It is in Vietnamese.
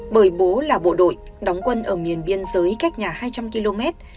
bởi bố là bộ đội đóng quân ở miền biên giới cách nhà hai trăm linh km